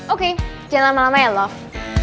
oke jangan lama lama ya loh